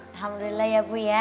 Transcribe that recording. alhamdulillah ya bu ya